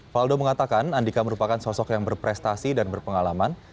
faldo mengatakan andika merupakan sosok yang berprestasi dan berpengalaman